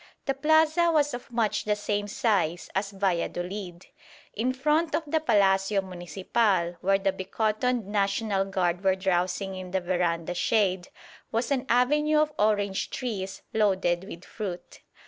The plaza was of much the same size as Valladolid. In front of the Palacio Municipal, where the becottoned National Guard were drowsing in the verandah shade, was an avenue of orange trees loaded with fruit.